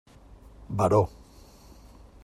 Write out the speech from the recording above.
Baró.